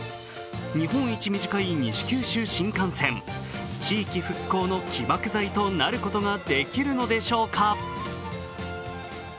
日本一短い西九州新幹線、地域復興の起爆剤となることができるのでしょうか。